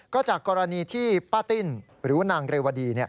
ก็จากกรณีที่ป้าติ้นหรือนางเรวดี